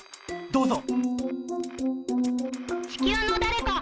どうぞ。